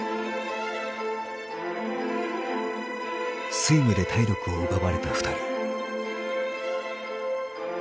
スイムで体力を奪われた２人。